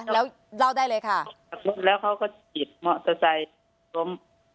แล้วเล่าได้เลยค่ะแล้วเขาก็จีบเหมาะสะใจล้ม